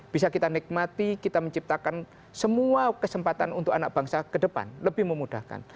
bisa kita nikmati kita menciptakan semua kesempatan untuk anak bangsa ke depan lebih memudahkan